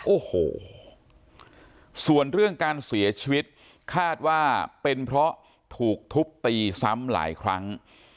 โอ้โหส่วนเรื่องการเสียชีวิตคาดว่าเป็นเพราะถูกทุบตีซ้ำหลายครั้ง